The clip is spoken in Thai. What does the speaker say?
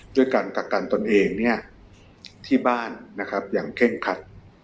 ด้วยการกักกันตนเองที่บ้านนะครับอย่างเคร่งคัด